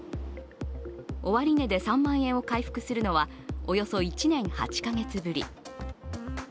終値で３万円を回復するのは、およそ１年８か月ぶり。